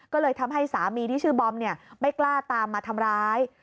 ก็เลยทำให้สามีที่ชื่อบอมไม่กล้าตามมาทำร้าย